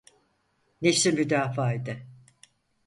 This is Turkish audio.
Nefsi müdafaaydı.